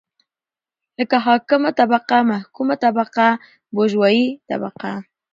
لکه حاکمه طبقه ،محکومه طبقه بوژوايي طبقه